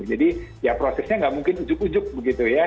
jadi ya prosesnya nggak mungkin ujuk ujuk begitu ya